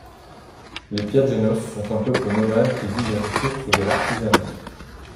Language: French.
Les Piajenos sont un peuple nomade qui vit des ressources de l'artisanat.